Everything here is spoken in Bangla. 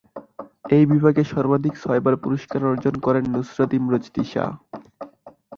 এই বিভাগে সর্বাধিক ছয়বার পুরস্কার অর্জন করেন নুসরাত ইমরোজ তিশা।